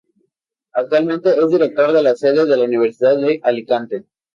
Actualmente es director de la Sede de la Universidad de Alicante.